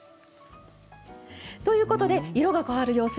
ということで色が変わる様子